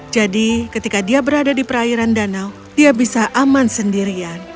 ketika dia berada di perairan danau dia bisa aman sendirian